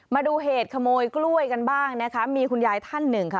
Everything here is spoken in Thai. มาดูเหตุขโมยกล้วยกันบ้างนะคะมีคุณยายท่านหนึ่งค่ะ